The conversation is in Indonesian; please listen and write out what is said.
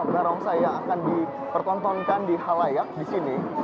menarung saya akan dipertontonkan di halayak di sini